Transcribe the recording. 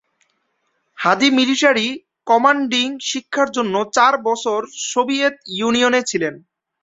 হাদি military commanding শিক্ষার জন্য চার বছর সোভিয়েত ইউনিয়নে ছিলেন।